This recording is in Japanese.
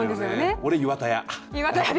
俺は岩田屋。